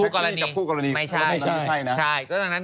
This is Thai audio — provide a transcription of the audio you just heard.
ก็อย่างนั้นออกไม่ใช่นะ